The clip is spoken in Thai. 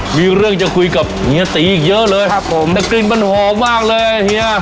มีเรื่องจะคุยกับเฮียตีอีกเยอะเลยครับผมแต่กลิ่นมันหอมมากเลยอ่ะเฮีย